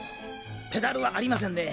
ペダルはありませんね。